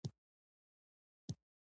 غزني د افغانانو د ګټورتیا برخه ده.